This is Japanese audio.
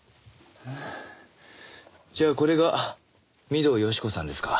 じゃあこれが御堂好子さんですか。